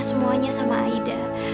semuanya sama aida